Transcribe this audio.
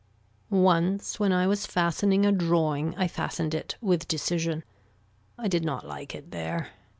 Once when I was fastening a drawing, I fastened it with decision. I did not like it there.